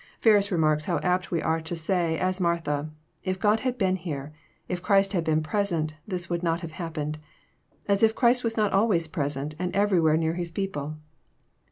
Ferns remarks how apt we all are to say, as Martha, <<If God had been here, if Christ had been present, this would not have happened; as if Christ was not always present, and everywhere near His people